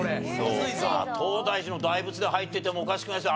そうか東大寺の大仏殿入っててもおかしくないですよ